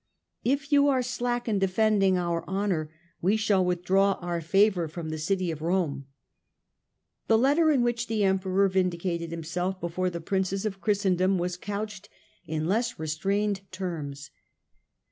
If you are slack in defending our honour we shall withdraw our favour from the city of Rome." The letter in which the Emperor vindicated himself before the Princes of Christendom was couched in less THE SECOND EXCOMMUNICATION 163 restrained terms.